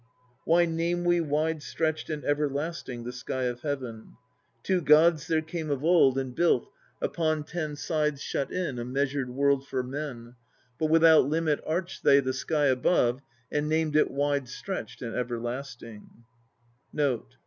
"Why name we Wide stretched and everlasting. The sky of heaven? Two gods 1 there came of old !lzanagi and Izanami. HAGOROMO 183 And built, upon ten sides shut in, A measured world for men; But without limit arched they The sky ahove, and named it Wide stretched and everlasting."